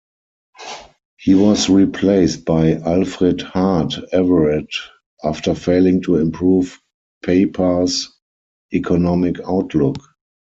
He was replaced by Alfred Hart Everett after failing to improve Papar's economic outlook.